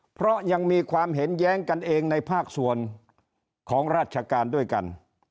เพราะยังมีความเห็นแย้งกันเองในภาคส่วนของราชการด้วยกัน